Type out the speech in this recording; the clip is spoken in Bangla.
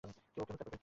কেউ ওকে হত্যা করবে!